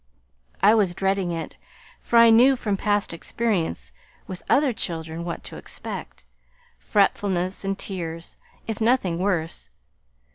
I was dreading it, for I knew from past experience with other children what to expect: fretfulness and tears, if nothing worse.